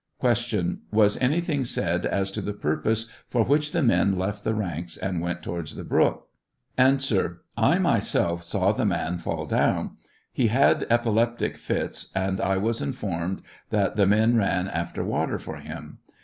Q. Was anything said as to the purpose for which the men left the ranks and went towards the brook 1 A. I myself saw the man fall down ; he had epileptic fits, and I was informed that the men ran after water for him.